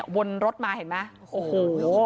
วนรถมาเห็นไหมโอ้โห